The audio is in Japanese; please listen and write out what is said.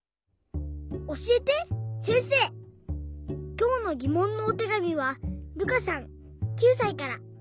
きょうのぎもんのおてがみはるかさん９さいから。